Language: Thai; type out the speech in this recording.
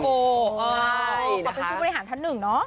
เขาเป็นผู้บริหารท่านหนึ่งเนาะ